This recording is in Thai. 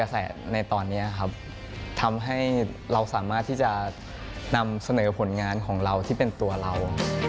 สนัยผลงานของเราที่เป็นตัวเรา